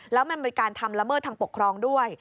แล้วมันเป็นการทำละเมิดทางปกครองด้วย